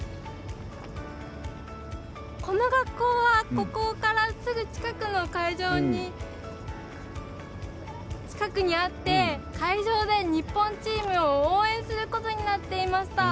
この学校はここから、すぐ近くにあって会場で、日本チームを応援することになっていました。